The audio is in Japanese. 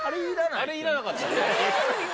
あれいらなかったね。